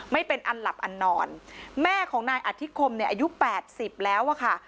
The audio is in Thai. ไม่เป็นอันหลับอันนอนแม่ของนายอัธิคมอายุ๘๐แล้วค่ะ